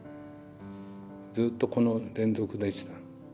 ずっとこの連続でした。